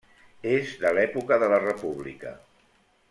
És de l'època de la República.